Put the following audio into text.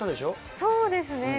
そうですね。